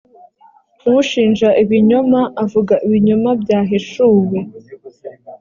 ushinja ibinyoma avuga ibinyoma byahishuwe.